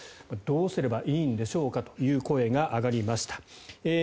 どうすればいいんでしょうかという声が上がりました。